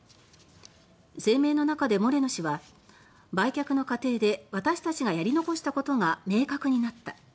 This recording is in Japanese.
声明の中でモレノ氏は「売却の過程で私たちがやり残したことが明確になった」